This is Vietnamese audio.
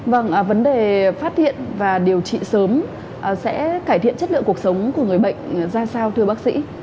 vâng vấn đề phát hiện và điều trị sớm sẽ cải thiện chất lượng cuộc sống của người bệnh ra sao thưa bác sĩ